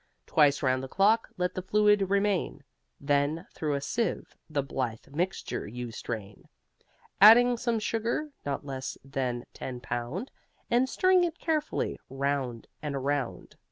Twice round the clock let the fluid remain, Then through a sieve the blithe mixture you strain, Adding some sugar (not less than ten pound) And stirring it carefully, round and around.